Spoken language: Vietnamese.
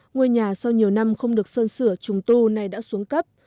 ngôi nhà sau nhiều năm không được sơn sửa trùng tu nay đã xuống cấp